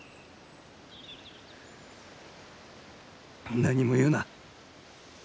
何も言うな。